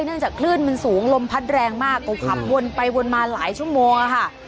จากคลื่นมันสูงลมพัดแรงมากก็ขับวนไปวนมาหลายชั่วโมงค่ะ